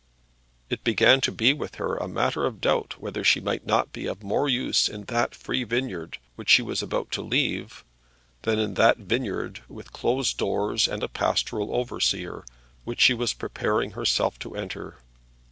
It began to be with her a matter of doubt whether she might not be of more use in that free vineyard which she was about to leave, than in that vineyard with closed doors and a pastoral overseer, which she was preparing herself to enter.